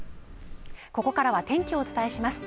ここからは天気をお伝えします